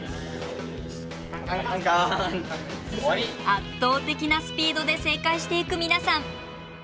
圧倒的なスピードで正解していく皆さん。